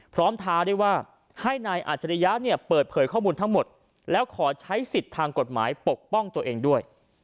ท้าได้ว่าให้นายอาจริยะเนี่ยเปิดเผยข้อมูลทั้งหมดแล้วขอใช้สิทธิ์ทางกฎหมายปกป้องตัวเองด้วย